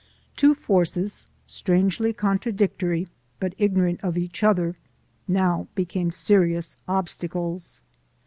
Two forces, strangely contradictory, but ignorant of each other, now became serious obstacles.